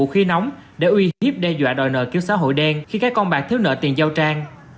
hiếp đe dọa đòi nợ cứu xã hội đen khi các con bạc thiếu nợ tiền giao trang